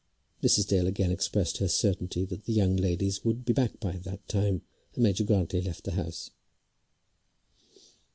Mrs. Dale again expressed her certainty that the young ladies would be back by that time, and Major Grantly left the house.